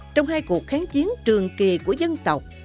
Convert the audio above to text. trong hai cuộc kháng chiến trường kỳ của dân tộc